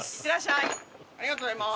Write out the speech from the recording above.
ありがとうございます。